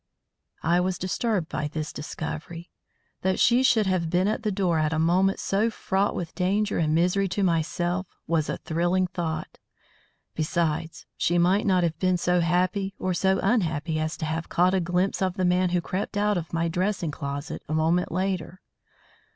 I was disturbed by this discovery. That she should have been at the door at a moment so fraught with danger and misery to myself was a thrilling thought; besides, might she not have been so happy or so unhappy as to have caught a glimpse of the man who crept out of my dressing closet a moment later!